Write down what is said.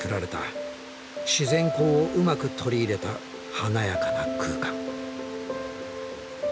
自然光をうまく取り入れた華やかな空間。